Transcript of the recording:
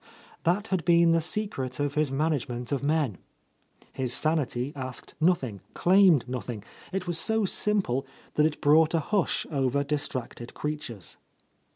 That had been the. secret of his management of men. His sanity asked nothing, claimed nothing ; it was so simple that it brought a hush over distracted creatures.